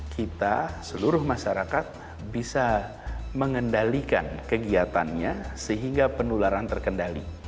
kita seluruh masyarakat bisa mengendalikan kegiatannya sehingga penularan terkendali